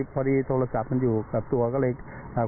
โทรศัพท์มันอยู่กับตัวก็เลยอ่า